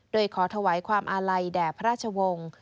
โดยขอถวายความอาลัยแด่พระราชวงศ์